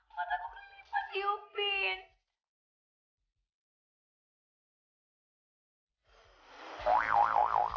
mataku kekelipan tiupin